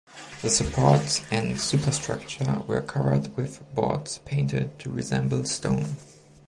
The supports and superstructure were covered with boards painted to resemble stone.